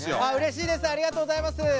あっうれしいです。